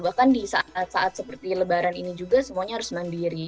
bahkan di saat saat seperti lebaran ini juga semuanya harus mandiri